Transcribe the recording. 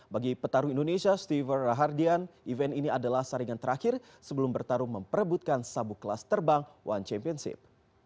bagi petarung indonesia steven rahardian event ini adalah saringan terakhir sebelum bertarung memperebutkan sabuk kelas terbang one championship